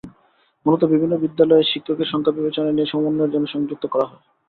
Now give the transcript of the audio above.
মূলত বিভিন্ন বিদ্যালয়ে শিক্ষকের সংখ্যা বিবেচনায় নিয়ে সমন্বয়ের জন্য সংযুক্ত করা হয়।